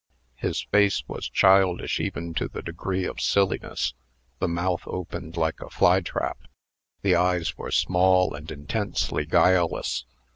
His face was childish even to the degree of silliness. The mouth opened like a flytrap; the eyes were small and intensely guileless.